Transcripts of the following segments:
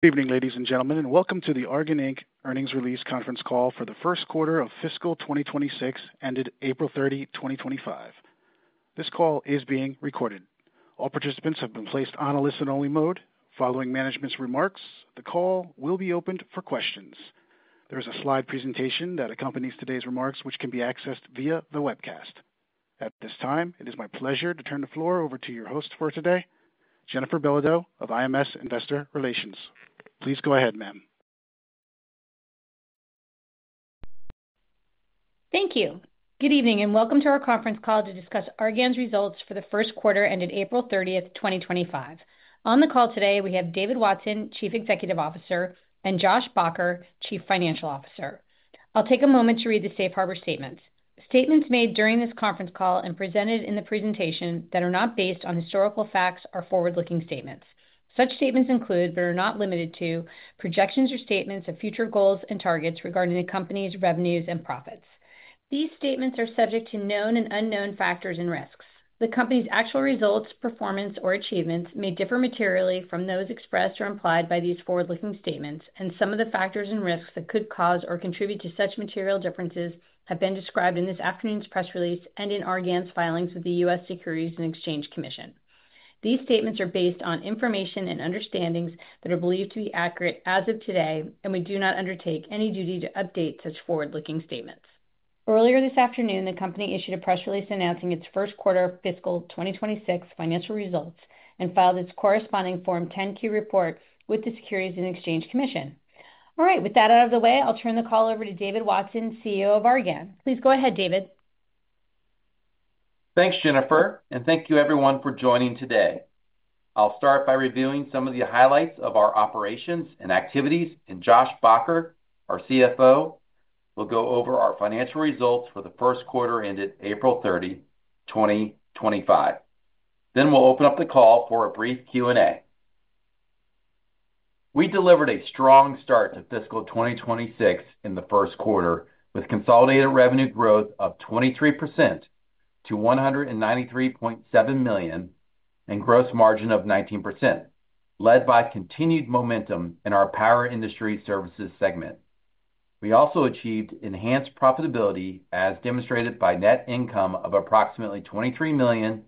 Good evening, ladies and gentlemen, and welcome to the Argan Inc. earnings release conference call for the first quarter of fiscal 2026 ended April 30, 2025. This call is being recorded. All participants have been placed on a listen-only mode. Following management's remarks, the call will be opened for questions. There is a slide presentation that accompanies today's remarks, which can be accessed via the webcast. At this time, it is my pleasure to turn the floor over to your host for today, Jennifer Belodeau of IMS Investor Relations. Please go ahead, ma'am. Thank you. Good evening and welcome to our conference call to discuss Argan's results for the first quarter ended April 30th, 2025. On the call today, we have David Watson, Chief Executive Officer, and Josh Baugher, Chief Financial Officer. I'll take a moment to read the Safe Harbor Statements. Statements made during this conference call and presented in the presentation that are not based on historical facts are forward-looking statements. Such statements include, but are not limited to, projections or statements of future goals and targets regarding the company's revenues and profits. These statements are subject to known and unknown factors and risks. The company's actual results, performance, or achievements may differ materially from those expressed or implied by these forward-looking statements, and some of the factors and risks that could cause or contribute to such material differences have been described in this afternoon's press release and in Argan's filings with the U.S. Securities and Exchange Commission. These statements are based on information and understandings that are believed to be accurate as of today, and we do not undertake any duty to update such forward-looking statements. Earlier this afternoon, the company issued a press release announcing its first quarter of fiscal 2026 financial results and filed its corresponding Form 10-Q report with the Securities and Exchange Commission. All right, with that out of the way, I'll turn the call over to David Watson, CEO of Argan. Please go ahead, David. Thanks, Jennifer, and thank you, everyone, for joining today. I'll start by reviewing some of the highlights of our operations and activities, and Josh Baugher, our CFO, will go over our financial results for the first quarter ended April 30, 2025. Then we'll open up the call for a brief Q&A. We delivered a strong start to fiscal 2026 in the first quarter with consolidated revenue growth of 23% to $193.7 million and gross margin of 19%, led by continued momentum in our power industry services segment. We also achieved enhanced profitability as demonstrated by net income of approximately $23 million,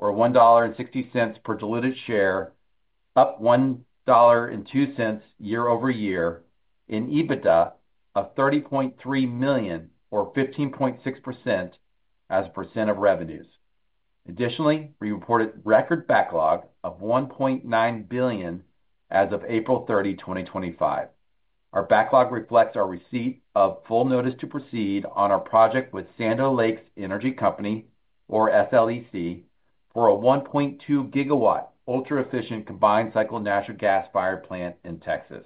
or $1.60 per diluted share, up $1.02 year-over-year, and EBITDA of $30.3 million, or 15.6% as a percent of revenues. Additionally, we reported record backlog of $1.9 billion as of April 30, 2025. Our backlog reflects our receipt of full notice to proceed on our project with Sandow Lakes Energy Company, or SLEC, for a 1.2 GW ultra-efficient combined cycle natural gas fired plant in Texas.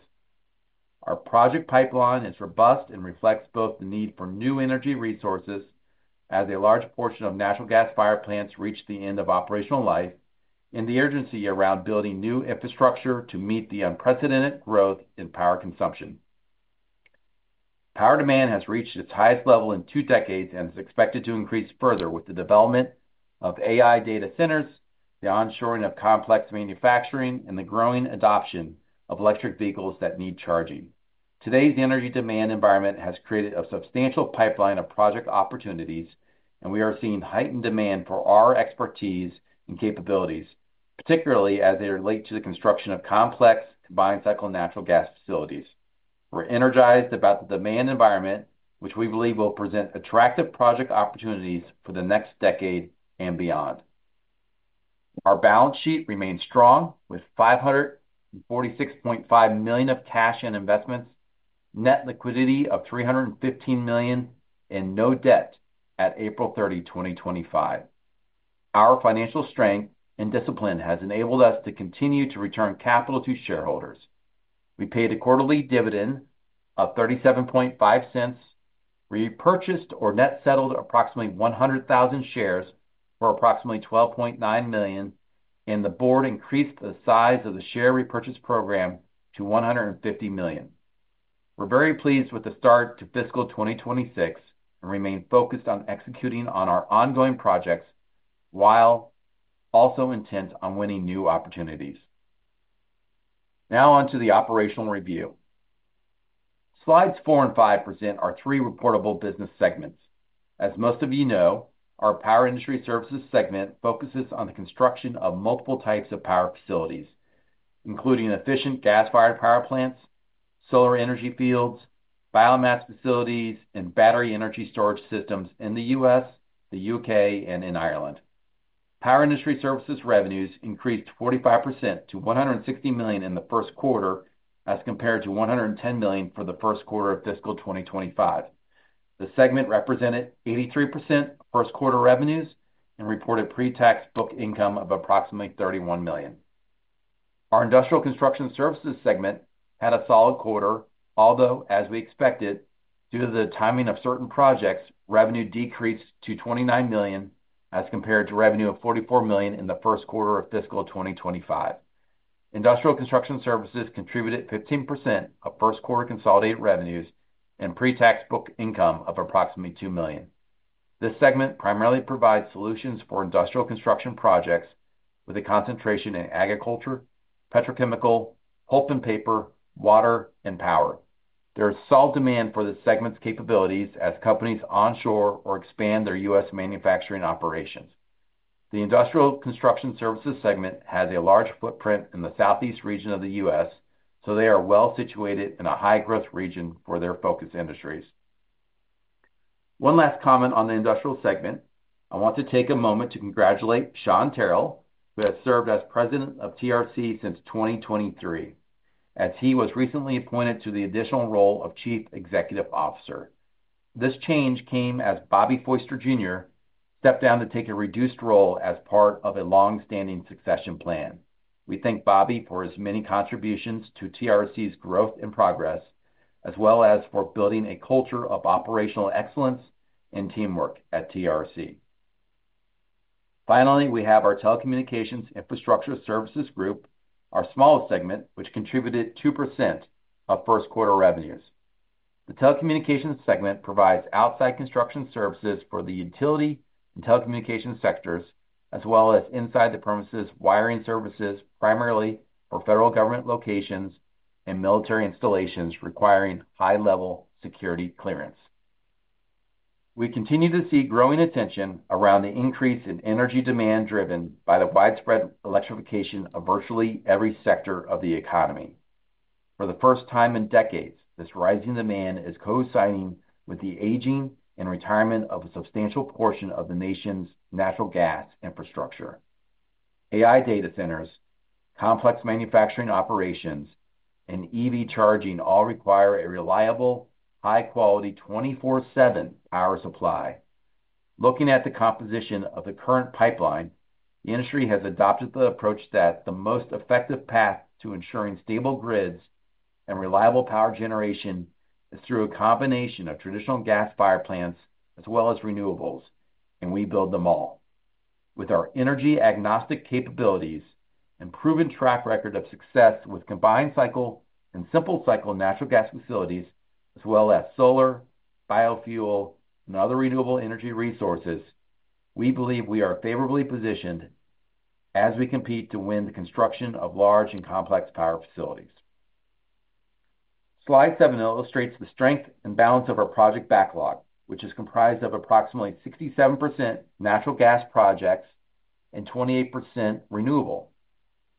Our project pipeline is robust and reflects both the need for new energy resources as a large portion of natural gas fired plants reach the end of operational life and the urgency around building new infrastructure to meet the unprecedented growth in power consumption. Power demand has reached its highest level in two decades and is expected to increase further with the development of AI data centers, the onshoring of complex manufacturing, and the growing adoption of electric vehicles that need charging. Today's energy demand environment has created a substantial pipeline of project opportunities, and we are seeing heightened demand for our expertise and capabilities, particularly as they relate to the construction of complex combined cycle natural gas facilities. We're energized about the demand environment, which we believe will present attractive project opportunities for the next decade and beyond. Our balance sheet remains strong with $546.5 million of cash and investments, net liquidity of $315 million, and no debt at April 30, 2025. Our financial strength and discipline has enabled us to continue to return capital to shareholders. We paid a quarterly dividend of $0.375, repurchased or net settled approximately 100,000 shares for approximately $12.9 million, and the board increased the size of the share repurchase program to $150 million. We're very pleased with the start to fiscal 2026 and remain focused on executing on our ongoing projects while also intent on winning new opportunities. Now on to the operational review. Slides four and five present our three reportable business segments. As most of you know, our power industry services segment focuses on the construction of multiple types of power facilities, including efficient gas-fired power plants, solar energy fields, biomass facilities, and battery energy storage systems in the U.S., the U.K., and in Ireland. Power industry services revenues increased 45% to $160 million in the first quarter as compared to $110 million for the first quarter of fiscal 2025. The segment represented 83% of first quarter revenues and reported pre-tax book income of approximately $31 million. Our industrial construction services segment had a solid quarter, although, as we expected, due to the timing of certain projects, revenue decreased to $29 million as compared to revenue of $44 million in the first quarter of fiscal 2025. Industrial construction services contributed 15% of first quarter consolidated revenues and pre-tax book income of approximately $2 million. This segment primarily provides solutions for industrial construction projects with a concentration in agriculture, petrochemical, pulp and paper, water, and power. There is solid demand for the segment's capabilities as companies onshore or expand their U.S. manufacturing operations. The industrial construction services segment has a large footprint in the southeast region of the U.S., so they are well situated in a high-growth region for their focus industries. One last comment on the industrial segment: I want to take a moment to congratulate Sean Terrell, who has served as President of TRC since 2023, as he was recently appointed to the additional role of Chief Executive Officer. This change came as Bobby Foister, Jr., stepped down to take a reduced role as part of a long-standing succession plan. We thank Bobby for his many contributions to TRC's growth and progress, as well as for building a culture of operational excellence and teamwork at TRC. Finally, we have our telecommunications infrastructure services group, our smallest segment, which contributed 2% of first quarter revenues. The telecommunications segment provides outside construction services for the utility and telecommunications sectors, as well as inside the premises wiring services primarily for federal government locations and military installations requiring high-level security clearance. We continue to see growing attention around the increase in energy demand driven by the widespread electrification of virtually every sector of the economy. For the first time in decades, this rising demand is coinciding with the aging and retirement of a substantial portion of the nation's natural gas infrastructure. AI data centers, complex manufacturing operations, and EV charging all require a reliable, high-quality 24/7 power supply. Looking at the composition of the current pipeline, the industry has adopted the approach that the most effective path to ensuring stable grids and reliable power generation is through a combination of traditional gas-fired plants as well as renewables, and we build them all. With our energy-agnostic capabilities and proven track record of success with combined cycle and simple cycle natural gas facilities, as well as solar, biofuel, and other renewable energy resources, we believe we are favorably positioned as we compete to win the construction of large and complex power facilities. Slide seven illustrates the strength and balance of our project backlog, which is comprised of approximately 67% natural gas projects and 28% renewable.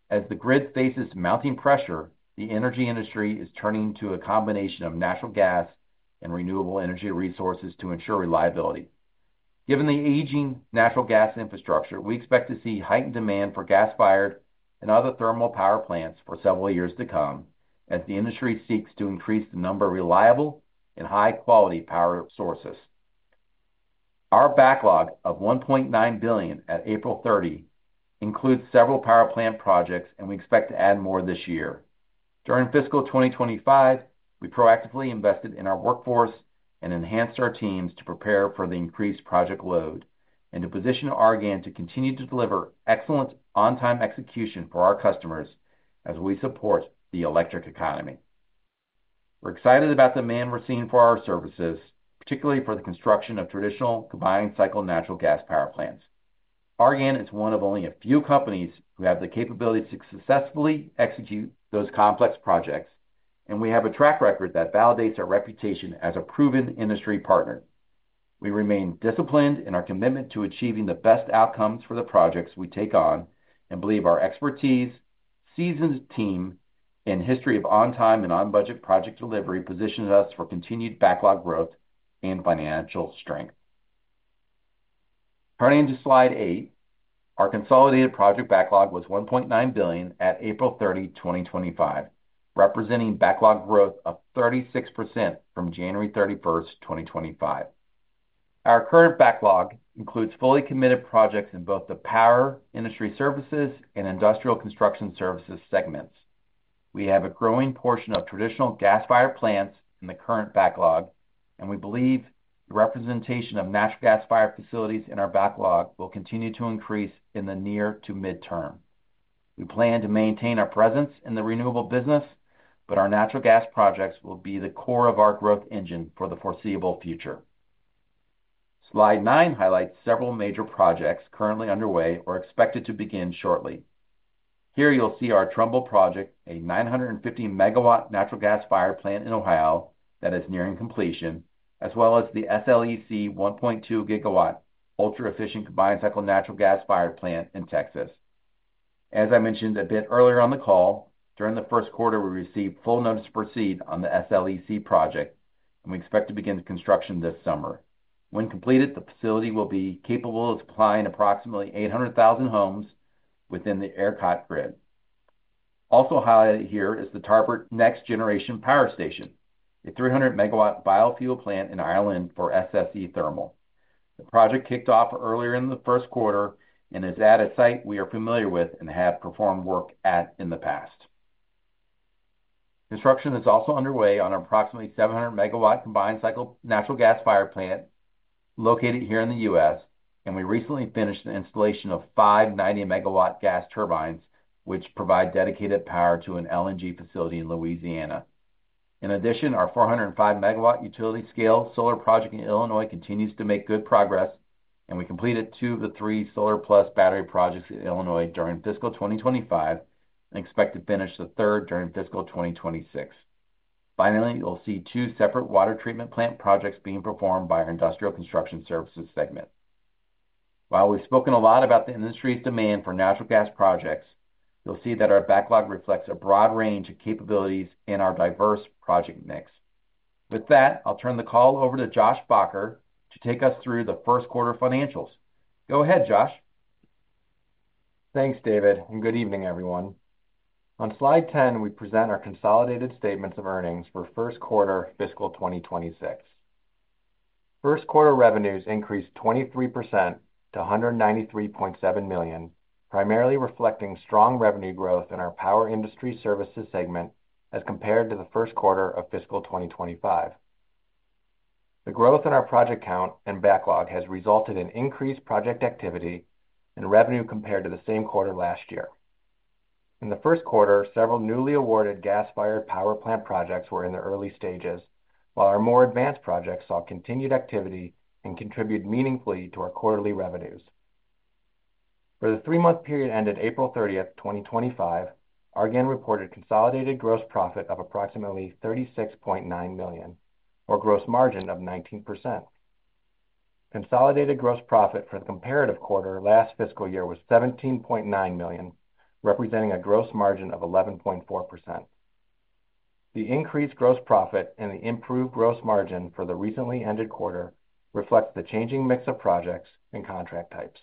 As the grid faces mounting pressure, the energy industry is turning to a combination of natural gas and renewable energy resources to ensure reliability. Given the aging natural gas infrastructure, we expect to see heightened demand for gas-fired and other thermal power plants for several years to come as the industry seeks to increase the number of reliable and high-quality power sources. Our backlog of $1.9 billion at April 30 includes several power plant projects, and we expect to add more this year. During fiscal 2025, we proactively invested in our workforce and enhanced our teams to prepare for the increased project load and to position Argan to continue to deliver excellent on-time execution for our customers as we support the electric economy. We're excited about the demand we're seeing for our services, particularly for the construction of traditional combined cycle natural gas power plants. Argan is one of only a few companies who have the capability to successfully execute those complex projects, and we have a track record that validates our reputation as a proven industry partner. We remain disciplined in our commitment to achieving the best outcomes for the projects we take on and believe our expertise, seasoned team, and history of on-time and on-budget project delivery position us for continued backlog growth and financial strength. Turning to slide eight, our consolidated project backlog was $1.9 billion at April 30, 2025, representing backlog growth of 36% from January 31st, 2025. Our current backlog includes fully committed projects in both the power industry services and industrial construction services segments. We have a growing portion of traditional gas-fired plants in the current backlog, and we believe the representation of natural gas fired facilities in our backlog will continue to increase in the near to midterm. We plan to maintain our presence in the renewable business, but our natural gas projects will be the core of our growth engine for the foreseeable future. Slide nine highlights several major projects currently underway or expected to begin shortly. Here you'll see our Trumbull project, a 950 MW natural gas fired plant in Ohio that is nearing completion, as well as the SLEC 1.2 GW ultra-efficient combined cycle natural gas fired plant in Texas. As I mentioned a bit earlier on the call, during the first quarter, we received full notice to proceed on the SLEC project, and we expect to begin construction this summer. When completed, the facility will be capable of supplying approximately 800,000 homes within the ERCOT grid. Also highlighted here is the Tarbert Next Generation Power Station, a 300 MW biofuel plant in Ireland for SSE Thermal. The project kicked off earlier in the first quarter and is at a site we are familiar with and have performed work at in the past. Construction is also underway on an approximately 700 MW combined cycle natural gas fired plant located here in the U.S., and we recently finished the installation of five 90 MW gas turbines, which provide dedicated power to an LNG facility in Louisiana. In addition, our 405 MW utility-scale solar project in Illinois continues to make good progress, and we completed two of the three solar-plus battery projects in Illinois during fiscal 2025 and expect to finish the third during fiscal 2026. Finally, you'll see two separate water treatment plant projects being performed by our industrial construction services segment. While we've spoken a lot about the industry's demand for natural gas projects, you'll see that our backlog reflects a broad range of capabilities in our diverse project mix. With that, I'll turn the call over to Josh Baugher to take us through the first quarter financials. Go ahead, Josh. Thanks, David, and good evening, everyone. On slide 10, we present our consolidated statements of earnings for first quarter fiscal 2026. First quarter revenues increased 23% to $193.7 million, primarily reflecting strong revenue growth in our power industry services segment as compared to the first quarter of fiscal 2025. The growth in our project count and backlog has resulted in increased project activity and revenue compared to the same quarter last year. In the first quarter, several newly awarded gas-fired power plant projects were in the early stages, while our more advanced projects saw continued activity and contributed meaningfully to our quarterly revenues. For the three-month period ended April 30th, 2025, Argan reported consolidated gross profit of approximately $36.9 million, or gross margin of 19%. Consolidated gross profit for the comparative quarter last fiscal year was $17.9 million, representing a gross margin of 11.4%. The increased gross profit and the improved gross margin for the recently ended quarter reflects the changing mix of projects and contract types.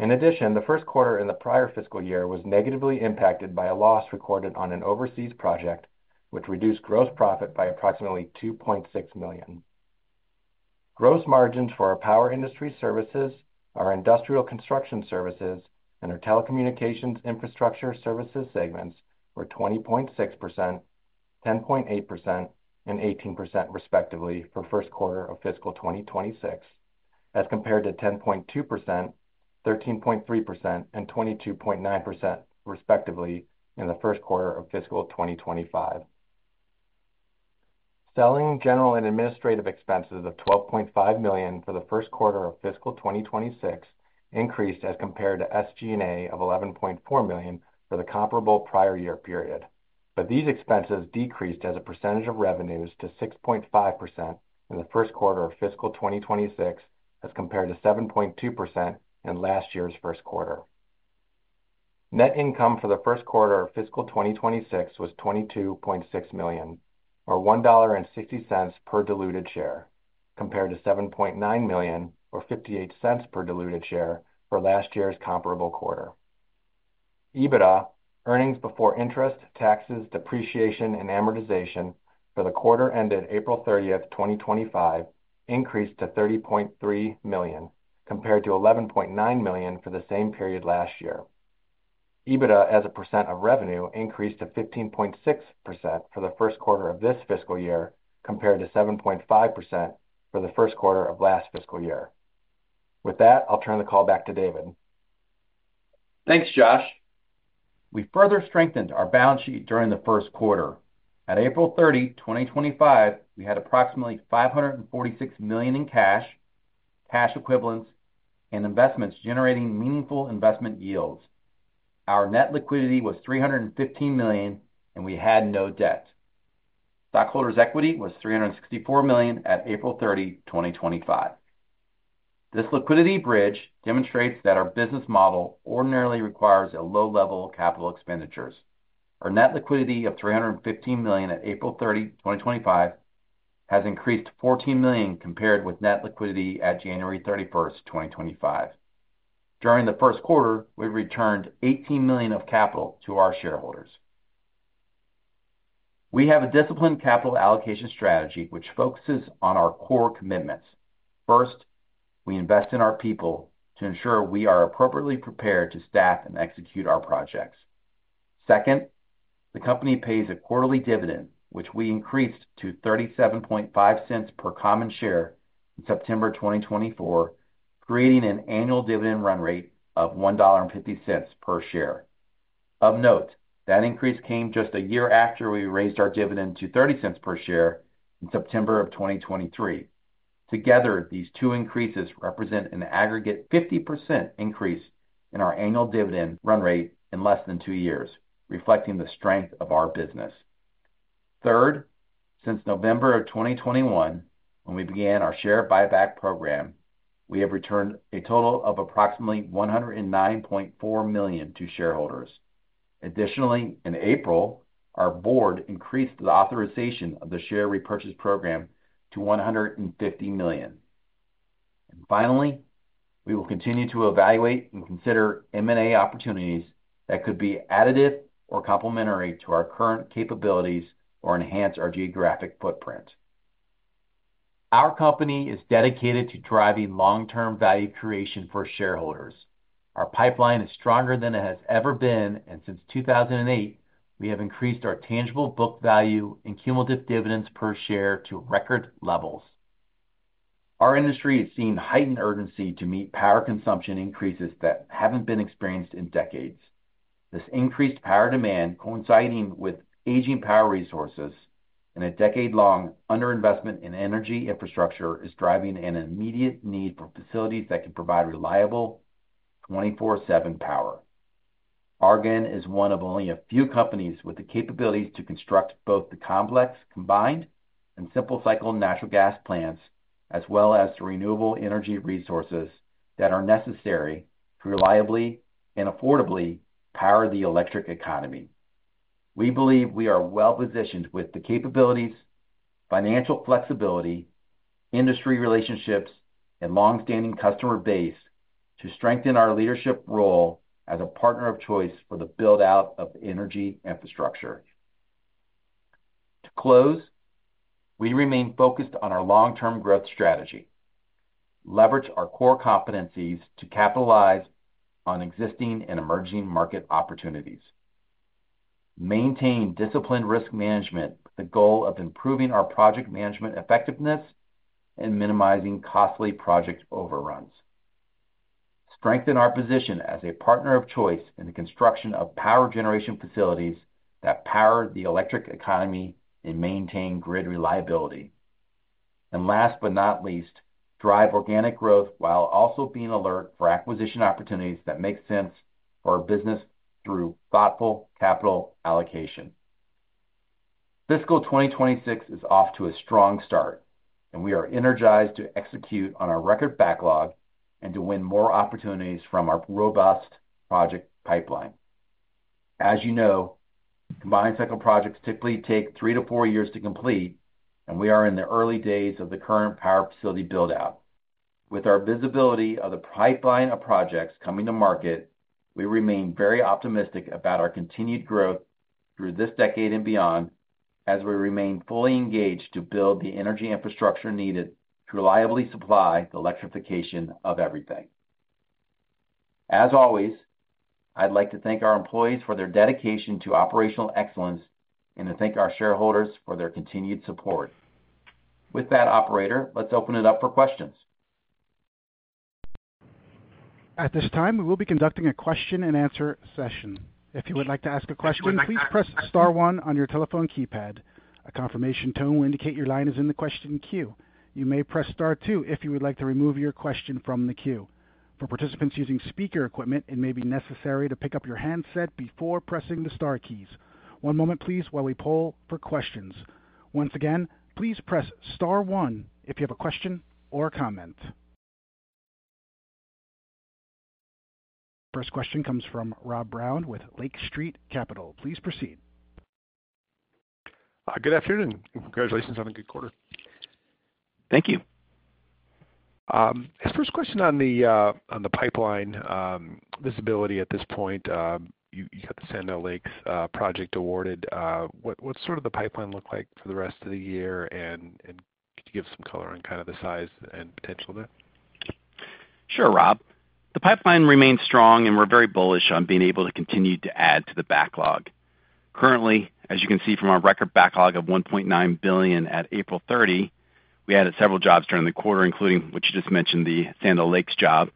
In addition, the first quarter in the prior fiscal year was negatively impacted by a loss recorded on an overseas project, which reduced gross profit by approximately $2.6 million. Gross margins for our power industry services, our industrial construction services, and our telecommunications infrastructure services segments were 20.6%, 10.8%, and 18% respectively for the first quarter of fiscal 2026, as compared to 10.2%, 13.3%, and 22.9% respectively in the first quarter of fiscal 2025. Selling general and administrative expenses of $12.5 million for the first quarter of fiscal 2026 increased as compared to SG&A of $11.4 million for the comparable prior year period, but these expenses decreased as a percentage of revenues to 6.5% in the first quarter of fiscal 2026 as compared to 7.2% in last year's first quarter. Net income for the first quarter of fiscal 2026 was $22.6 million, or $1.60 per diluted share, compared to $7.9 million, or $0.58 per diluted share for last year's comparable quarter. EBITDA, earnings before interest, taxes, depreciation, and amortization for the quarter ended April 30, 2025, increased to $30.3 million compared to $11.9 million for the same period last year. EBITDA as a percent of revenue increased to 15.6% for the first quarter of this fiscal year compared to 7.5% for the first quarter of last fiscal year. With that, I'll turn the call back to David. Thanks, Josh. We further strengthened our balance sheet during the first quarter. At April 30, 2025, we had approximately $546 million in cash, cash equivalents, and investments generating meaningful investment yields. Our net liquidity was $315 million, and we had no debt. Stockholders' equity was $364 million at April 30, 2025. This liquidity bridge demonstrates that our business model ordinarily requires low-level capital expenditures. Our net liquidity of $315 million at April 30, 2025, has increased to $14 million compared with net liquidity at January 31st, 2025. During the first quarter, we returned $18 million of capital to our shareholders. We have a disciplined capital allocation strategy which focuses on our core commitments. First, we invest in our people to ensure we are appropriately prepared to staff and execute our projects. Second, the company pays a quarterly dividend, which we increased to $0.375 per common share in September 2024, creating an annual dividend run rate of $1.50 per share. Of note, that increase came just a year after we raised our dividend to $0.30 per share in September of 2023. Together, these two increases represent an aggregate 50% increase in our annual dividend run rate in less than two years, reflecting the strength of our business. Third, since November of 2021, when we began our share buyback program, we have returned a total of approximately $109.4 million to shareholders. Additionally, in April, our board increased the authorization of the share repurchase program to $150 million. Finally, we will continue to evaluate and consider M&A opportunities that could be additive or complementary to our current capabilities or enhance our geographic footprint. Our company is dedicated to driving long-term value creation for shareholders. Our pipeline is stronger than it has ever been, and since 2008, we have increased our tangible book value and cumulative dividends per share to record levels. Our industry is seeing heightened urgency to meet power consumption increases that have not been experienced in decades. This increased power demand, coinciding with aging power resources and a decade-long underinvestment in energy infrastructure, is driving an immediate need for facilities that can provide reliable 24/7 power. Argan is one of only a few companies with the capabilities to construct both the complex combined and simple cycle natural gas plants, as well as the renewable energy resources that are necessary to reliably and affordably power the electric economy. We believe we are well-positioned with the capabilities, financial flexibility, industry relationships, and long-standing customer base to strengthen our leadership role as a partner of choice for the build-out of energy infrastructure. To close, we remain focused on our long-term growth strategy. Leverage our core competencies to capitalize on existing and emerging market opportunities. Maintain disciplined risk management with the goal of improving our project management effectiveness and minimizing costly project overruns. Strengthen our position as a partner of choice in the construction of power generation facilities that power the electric economy and maintain grid reliability. Last but not least, drive organic growth while also being alert for acquisition opportunities that make sense for our business through thoughtful capital allocation. Fiscal 2026 is off to a strong start, and we are energized to execute on our record backlog and to win more opportunities from our robust project pipeline. As you know, combined cycle projects typically take three to four years to complete, and we are in the early days of the current power facility build-out. With our visibility of the pipeline of projects coming to market, we remain very optimistic about our continued growth through this decade and beyond as we remain fully engaged to build the energy infrastructure needed to reliably supply the electrification of everything. As always, I'd like to thank our employees for their dedication to operational excellence and to thank our shareholders for their continued support. With that, Operator, let's open it up for questions. At this time, we will be conducting a question-and-answer session. If you would like to ask a question, please press Star one on your telephone keypad. A confirmation tone will indicate your line is in the question queue. You may press Star two if you would like to remove your question from the queue. For participants using speaker equipment, it may be necessary to pick up your handset before pressing the Star keys. One moment, please, while we poll for questions. Once again, please press Star one if you have a question or a comment. First question comes from Rob Brown with Lake Street Capital. Please proceed. Good afternoon. Congratulations on a good quarter. Thank you. Just first question on the pipeline visibility at this point, you got the Sandow Lakes project awarded. What's sort of the pipeline look like for the rest of the year? And could you give some color on kind of the size and potential there? Sure, Rob. The pipeline remains strong, and we're very bullish on being able to continue to add to the backlog. Currently, as you can see from our record backlog of $1.9 billion at April 30, we added several jobs during the quarter, including what you just mentioned, the Sandow Lakes job.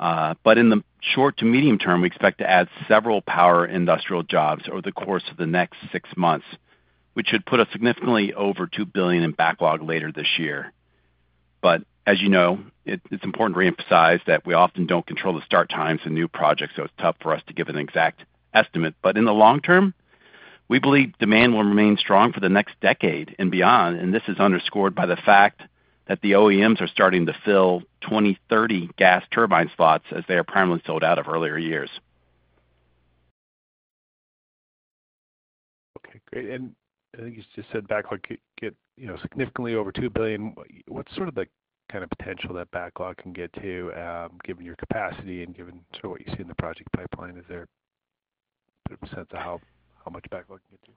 In the short to medium term, we expect to add several power industrial jobs over the course of the next six months, which should put us significantly over $2 billion in backlog later this year. As you know, it's important to reemphasize that we often don't control the start times of new projects, so it's tough for us to give an exact estimate. In the long term, we believe demand will remain strong for the next decade and beyond, and this is underscored by the fact that the OEMs are starting to fill 2030 gas turbine slots as they are primarily sold out of earlier years. Okay. Great. I think you just said backlog could get significantly over $2 billion. What's sort of the kind of potential that backlog can get to, given your capacity and given sort of what you see in the project pipeline? Is there a bit of a sense of how much backlog can get to?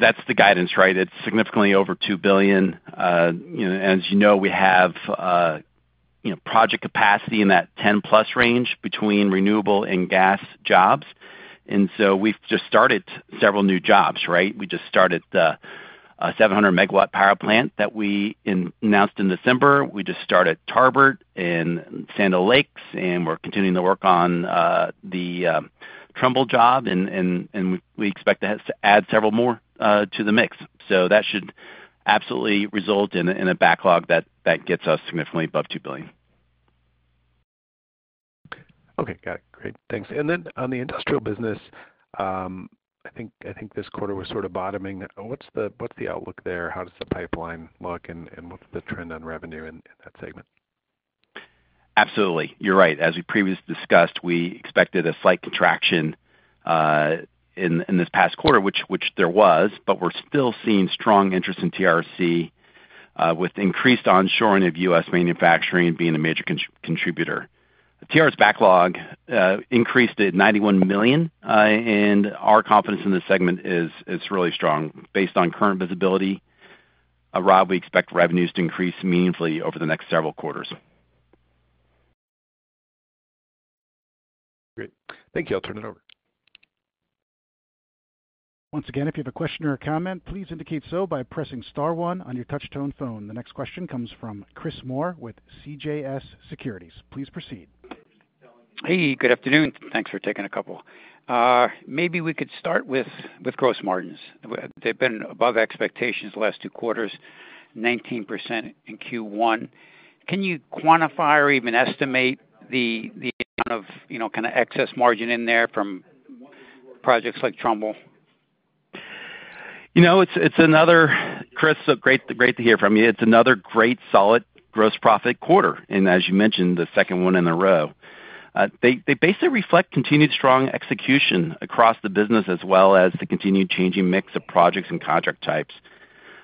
That's the guidance, right? It's significantly over $2 billion. As you know, we have project capacity in that 10-plus range between renewable and gas jobs. We've just started several new jobs, right? We just started the 700 MW power plant that we announced in December. We just started Tarbert and Sandow Lakes, and we're continuing to work on the Trumbull job, and we expect to add several more to the mix. That should absolutely result in a backlog that gets us significantly above $2 billion. Okay. Got it. Great. Thanks. Then on the industrial business, I think this quarter was sort of bottoming. What's the outlook there? How does the pipeline look, and what's the trend on revenue in that segment? Absolutely. You're right. As we previously discussed, we expected a slight contraction in this past quarter, which there was, but we're still seeing strong interest in TRC with increased onshoring of U.S. manufacturing being a major contributor. TRC's backlog increased at $91 million, and our confidence in the segment is really strong. Based on current visibility, Rob, we expect revenues to increase meaningfully over the next several quarters. Great. Thank you. I'll turn it over. Once again, if you have a question or a comment, please indicate so by pressing Star one on your touch-tone phone. The next question comes from Chris Moore with CJS Securities. Please proceed. Hey, good afternoon. Thanks for taking a couple. Maybe we could start with gross margins. They've been above expectations the last two quarters, 19% in Q1. Can you quantify or even estimate the amount of kind of excess margin in there from projects like Trumbull? You know, it's another, Chris, it's great to hear from you. It's another great, solid gross profit quarter, and as you mentioned, the second one in a row. They basically reflect continued strong execution across the business as well as the continued changing mix of projects and contract types.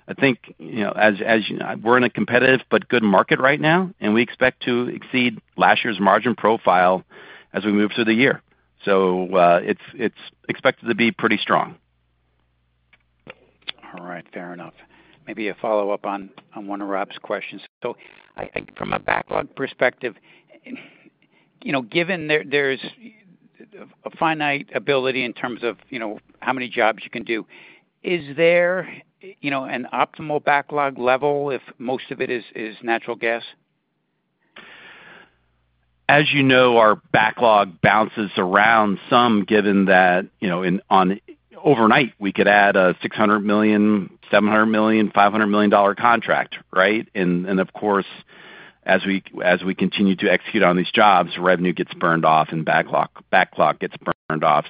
I think, as you know, we're in a competitive but good market right now, and we expect to exceed last year's margin profile as we move through the year. It is expected to be pretty strong. All right. Fair enough. Maybe a follow-up on one of Rob's questions. From a backlog perspective, given there's a finite ability in terms of how many jobs you can do, is there an optimal backlog level if most of it is natural gas? As you know, our backlog bounces around some, given that overnight we could add a $600 million, $700 million, $500 million contract, right? Of course, as we continue to execute on these jobs, revenue gets burned off and backlog gets burned off.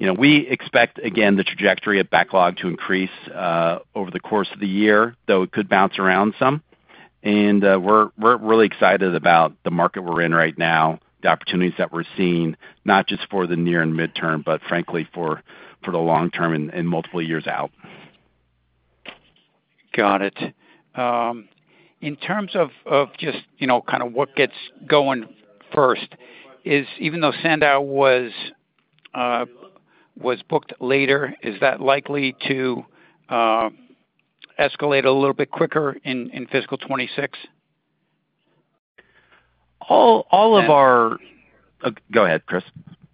We expect, again, the trajectory of backlog to increase over the course of the year, though it could bounce around some. We're really excited about the market we're in right now, the opportunities that we're seeing, not just for the near and midterm, but frankly, for the long term and multiple years out. Got it. In terms of just kind of what gets going first, even though Sandow was booked later, is that likely to escalate a little bit quicker in fiscal 2026? All of our—Go ahead, Chris.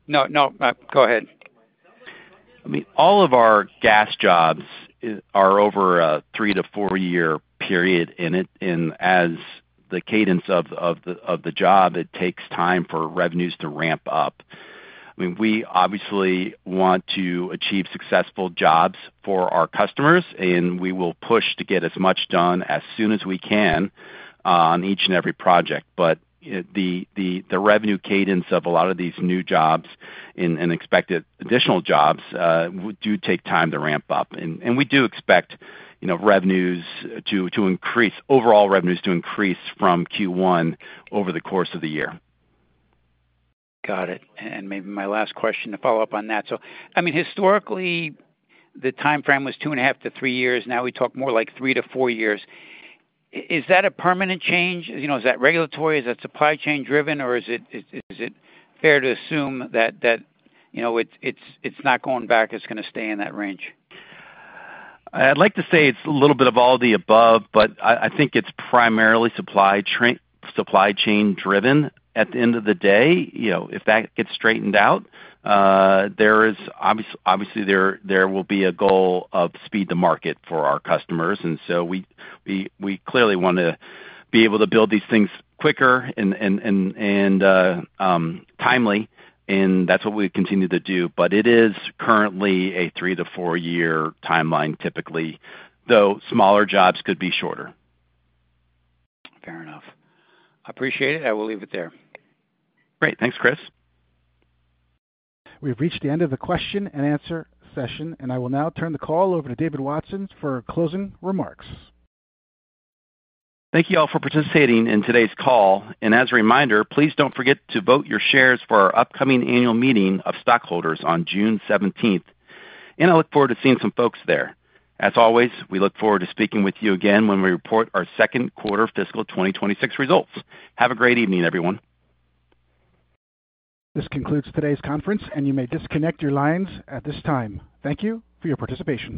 No, no. Go ahead. I mean, all of our gas jobs are over a three to four-year period, and as the cadence of the job, it takes time for revenues to ramp up. I mean, we obviously want to achieve successful jobs for our customers, and we will push to get as much done as soon as we can on each and every project. The revenue cadence of a lot of these new jobs and expected additional jobs do take time to ramp up. We do expect revenues to increase, overall revenues to increase from Q1 over the course of the year. Got it. Maybe my last question to follow up on that. I mean, historically, the timeframe was two and a half to three years. Now we talk more like three to four years. Is that a permanent change? Is that regulatory? Is that supply chain driven? Or is it fair to assume that it's not going back? It's going to stay in that range? I'd like to say it's a little bit of all the above, but I think it's primarily supply chain driven at the end of the day. If that gets straightened out, obviously, there will be a goal of speed to market for our customers. We clearly want to be able to build these things quicker and timely, and that's what we continue to do. It is currently a three to four-year timeline typically, though smaller jobs could be shorter. Fair enough. I appreciate it. I will leave it there. Great. Thanks, Chris. We've reached the end of the question and answer session, and I will now turn the call over to David Watson for closing remarks. Thank you all for participating in today's call. As a reminder, please don't forget to vote your shares for our upcoming annual meeting of stockholders on June 17th. I look forward to seeing some folks there. As always, we look forward to speaking with you again when we report our second quarter fiscal 2026 results. Have a great evening, everyone. This concludes today's conference, and you may disconnect your lines at this time. Thank you for your participation.